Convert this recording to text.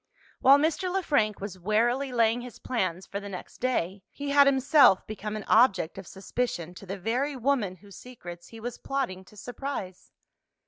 While Mr. Le Frank was warily laying his plans for the next day, he had himself become an object of suspicion to the very woman whose secrets he was plotting to surprise.